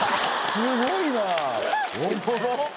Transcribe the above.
すごいな。